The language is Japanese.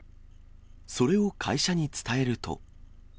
それを会社に伝えると。